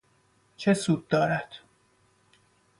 چه سود دارد